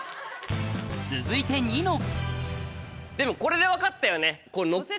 続いてでもこれで分かったよね。